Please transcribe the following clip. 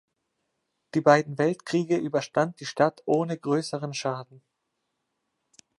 Die beiden Weltkriege überstand die Stadt ohne größeren Schaden.